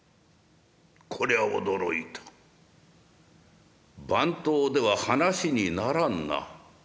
「こりゃ驚いた番頭では話にならんな。